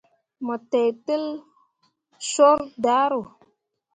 Mo teitel coor daaro.